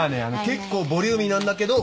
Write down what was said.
結構ボリューミーなんだけど。